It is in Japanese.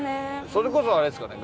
それこそあれですかね？